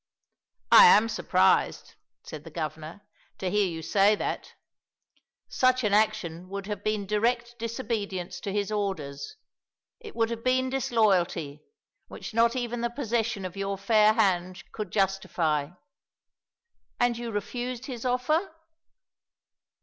"I am surprised," said the Governor, "to hear you say that; such an action would have been direct disobedience to his orders. It would have been disloyalty, which not even the possession of your fair hand could justify. And you refused his offer?"